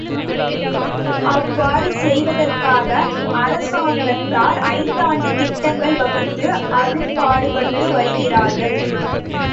அவ்வாறு செய்வதற்காக அரசாங்கத்தார் ஐந்தாண்டுத் திட்டங்கள் வகுத்து அரும்பாடுபட்டு வருகிறார்கள்.